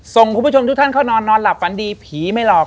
ส่งคุณผู้ชมทุกท่านเข้านอนนอนหลับฝันดีผีไม่หลอก